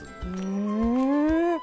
うん！